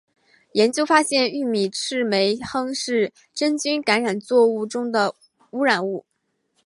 研究发现玉米赤霉醇是真菌感染作物中的污染物。